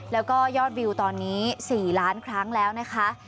แล้วก็ยอดวิวตอนนี้๔ล้านครั้งแล้วนะคะ